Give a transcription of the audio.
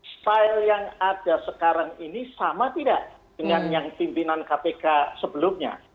style yang ada sekarang ini sama tidak dengan yang pimpinan kpk sebelumnya